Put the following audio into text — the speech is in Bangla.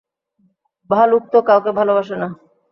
ভালুক তো কাউকে ভালোবাসে না।